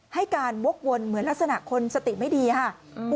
ให้การวกวนเหมือนลักษณะคนสติไม่ดีค่ะ